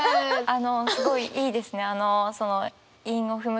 あのすごいいいですね。